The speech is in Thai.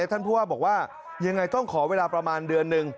ท่านผู้ว่าบอกว่ายังไงต้องขอเวลาประมาณเดือนหนึ่ง